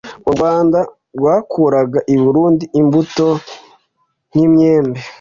u Rwanda rwakuraga i Burundi imbuto nk’imyembe